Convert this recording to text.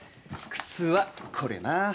靴はこれな。